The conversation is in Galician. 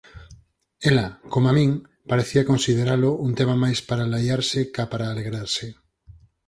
Ela, coma min, parecía consideralo un tema máis para laiarse ca para alegrarse.